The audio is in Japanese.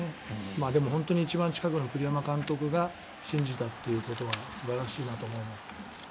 でも、本当に一番近くの栗山監督が信じたということは素晴らしいと思うな。